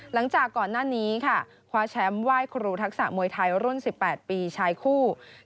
หลังจากก่อนหน้านี้ค่ะคว้าแชมป์ไหว้ครูทักษะมวยไทยรุ่น๑๘ปีชายคู่